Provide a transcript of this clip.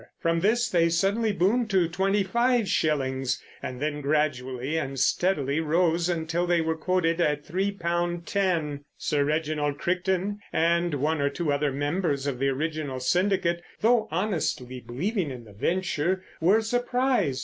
From this they suddenly boomed to twenty five shillings, and then gradually and steadily rose until they were quoted at three pound ten. Sir Reginald Crichton and one or two other members of the original syndicate, though honestly believing in the venture, were surprised.